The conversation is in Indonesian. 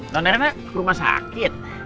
norena rumah sakit